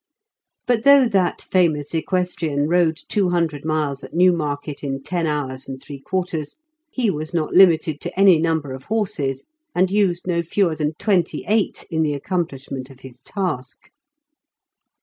But though that famous equestrian rode two hundred miles at Newmarket in ten hours and three quarters, he was not limited to any number of horses, and used no fewer than twenty eight in the accomplishment of his task.